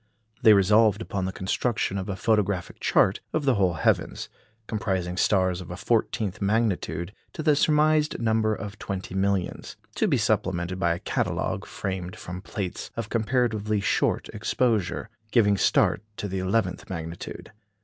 They resolved upon the construction of a Photographic Chart of the whole heavens, comprising stars of a fourteenth magnitude, to the surmised number of twenty millions; to be supplemented by a Catalogue, framed from plates of comparatively short exposure, giving start to the eleventh magnitude.